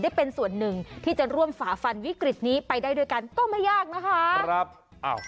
ได้เป็นส่วนหนึ่งที่จะร่วมฝ่าฟันวิกฤตนี้ไปได้ด้วยกันก็ไม่ยากนะคะ